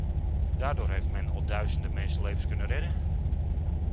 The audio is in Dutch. Daardoor heeft men al duizenden mensenlevens kunnen redden.